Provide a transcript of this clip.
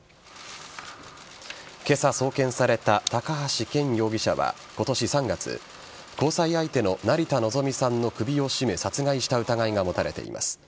今朝送検された高橋剣容疑者は今年３月交際相手の成田のぞみさんの首を絞め殺害した疑いが持たれています。